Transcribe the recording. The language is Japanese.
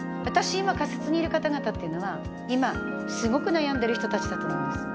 今仮設にいる方々っていうのは今すごく悩んでる人たちだと思うんです。